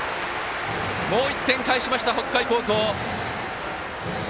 もう１点返しました、北海高校。